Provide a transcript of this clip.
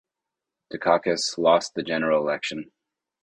Dukakis lost the general election.